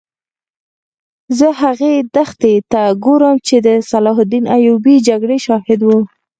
زه هغې دښتې ته ګورم چې د صلاح الدین ایوبي د جګړې شاهده وه.